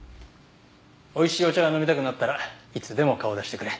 おいしいお茶が飲みたくなったらいつでも顔出してくれ。